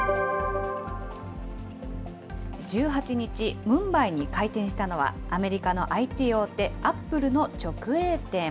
１８日、ムンバイに開店したのは、アメリカのＩＴ大手、アップルの直営店。